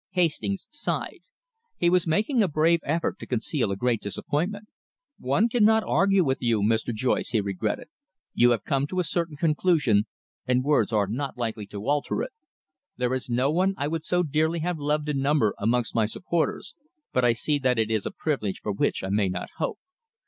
Hastings sighed. He was making a brave effort to conceal a great disappointment. "One cannot argue with you, Mr. Joyce," he regretted. "You have come to a certain conclusion, and words are not likely to alter it. There is no one I would so dearly have loved to number amongst my supporters, but I see that it is a privilege for which I may not hope....